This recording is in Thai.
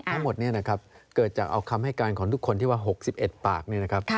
ทั้งหมดเนี่ยนะครับเกิดจากครรภิการทุกคนที่ว่า๖๑ปาก